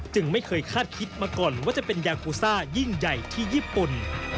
ไม่เคยคาดคิดมาก่อนว่าจะเป็นยากูซ่ายิ่งใหญ่ที่ญี่ปุ่น